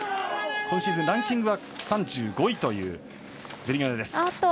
今シーズン、ランキングは３５位という、ブリニョネ。